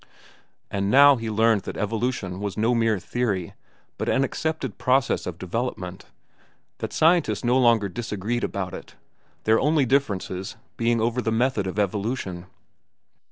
And now he learned that evolution was no mere theory but an accepted process of development; that scientists no longer disagreed about it, their only differences being over the method of evolution.